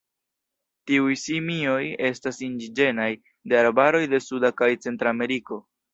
Tiuj simioj estas indiĝenaj de arbaroj de Suda kaj Centrameriko.